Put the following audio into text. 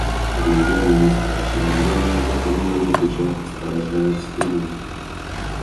Премьер-министра Черногории господина Игора Лукшича сопровождают с трибуны.